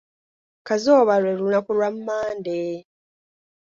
"Kazooba lwe lunaku lwa ""Monday""."